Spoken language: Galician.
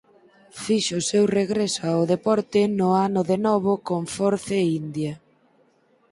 Fixo o seu regreso ao deporte no ano de novo con Force India.